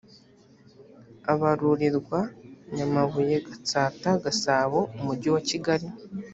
abarurirwa nyamabuye gatsata gasabo umujyi wa kigali